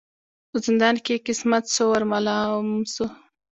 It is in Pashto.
په زندان کی یې قسمت سو ور معلوم سو